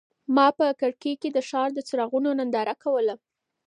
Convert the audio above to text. ما په کړکۍ کې د ښار د څراغونو ننداره کوله.